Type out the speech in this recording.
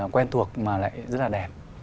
quen thuộc mà lại rất là đẹp